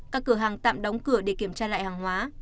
các cửa hàng tạm đóng cửa để kiểm tra lại hàng hóa